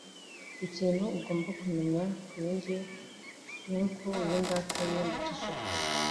Ikintu ugomba kumenya kuri njye nuko iyo ndakaye, ndaceceka.